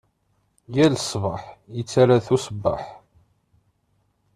Yal ṣṣbeḥ, yettarra-tt i usebbeḥ.